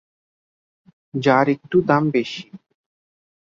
যার দাম একটু বেশি।